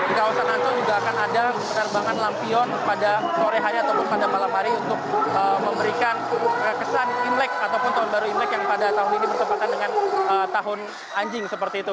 di kawasan ancol juga akan ada penerbangan lampion pada sore hari ataupun pada malam hari untuk memberikan kesan imlek ataupun tahun baru imlek yang pada tahun ini bertempatan dengan tahun anjing seperti itu